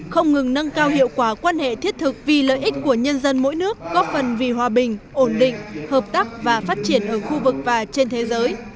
không ngừng nâng cao hiệu quả quan hệ thiết thực vì lợi ích của nhân dân mỗi nước góp phần vì hòa bình ổn định hợp tác và phát triển ở khu vực và trên thế giới